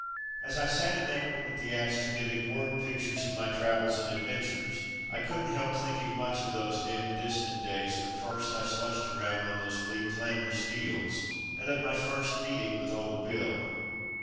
As I sat in that room at the Astor, giving word pictures of my travels and adventures, I couldn't help thinking much of those dim, distant days, when first I slushed around on those bleak Flanders fields, and of my first meeting with Old Bill.